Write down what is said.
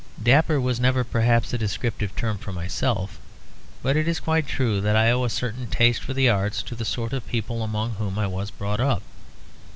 Dapper was never perhaps a descriptive term for myself; but it is quite true that I owe a certain taste for the arts to the sort of people among whom I was brought up.